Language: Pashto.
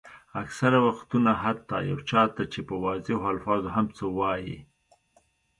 اکثره وختونه حتیٰ یو چا ته چې په واضحو الفاظو هم څه وایئ.